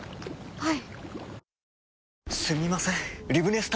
はい！